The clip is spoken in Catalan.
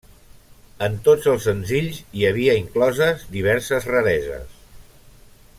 En tots els senzills hi havia incloses diverses rareses.